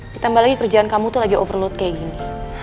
ditambah lagi kerjaan kamu tuh lagi overload kayak gini